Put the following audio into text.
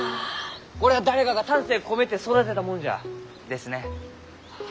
こりゃ誰かが丹精込めて育てたもんじゃ。ですね。